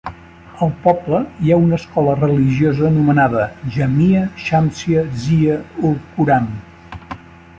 Al poble hi ha una escola religiosa anomenada Jamia Shamsia Zia Ul Quran.